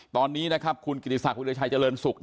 ตอนนี้คุณกิตติศักดิ์วิทยาชายเจริญสุข